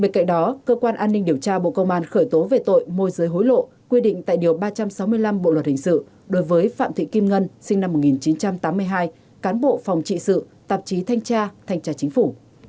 bên cạnh đó cơ quan an ninh điều tra bộ công an khởi tố về tội môi giới hối lộ quy định tại điều ba trăm sáu mươi năm bộ luật hình sự đối với phạm thị kim ngân sinh năm một nghìn chín trăm tám mươi hai cán bộ phòng trị sự tạp chí thanh tra thanh tra chính phủ